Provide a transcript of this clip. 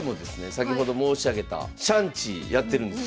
先ほど申し上げたシャンチーやってるんですよ。